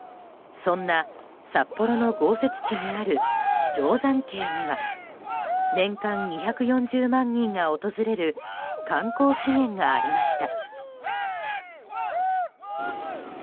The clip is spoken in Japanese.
そんな札幌の豪雪地にある定山渓には年間２４０万人が訪れる観光資源がありました。